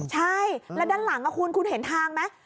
ใช่แล้วด้านหลังคุณคุณเห็นทางไหม